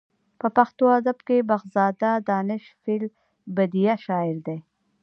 په پښتو ادب کې بخزاده دانش فې البدیه شاعر دی.